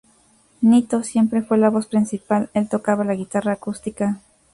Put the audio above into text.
Nito siempre fue la voz principal, el tocaba la guitarra acústica.